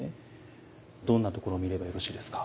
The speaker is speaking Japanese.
どんなところを見ればよろしいですか。